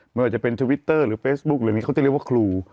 ไม่ว่าจะเป็นทวิตเตอร์หรือเฟซบุ๊คหรือนี้เขาจะเรียกว่าครู